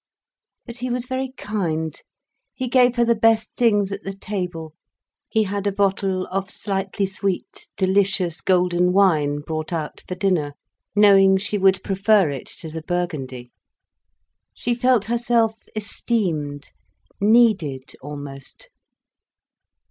But he was very kind. He gave her the best things at the table, he had a bottle of slightly sweet, delicious golden wine brought out for dinner, knowing she would prefer it to the burgundy. She felt herself esteemed, needed almost.